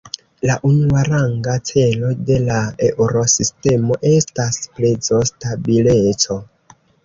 La unuaranga celo de la Eŭrosistemo estas prezostabileco.